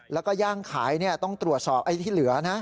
แล้วก็ย่างขายต้องตรวจสอบไอ้ที่เหลือนะ